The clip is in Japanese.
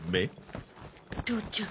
父ちゃん。